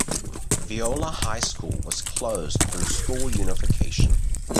Viola High School was closed through school unification.